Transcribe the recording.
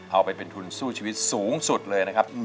เอาไปเป็นทุนสู้ชีวิตสูงสุดเลยนะครับ